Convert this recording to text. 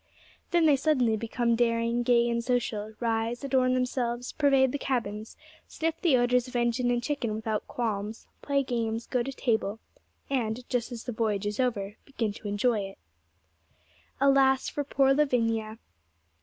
Then they suddenly become daring, gay, and social; rise, adorn themselves, pervade the cabins, sniff the odours of engine and kitchen without qualms, play games, go to table; and, just as the voyage is over, begin to enjoy it. Alas for poor Lavinia!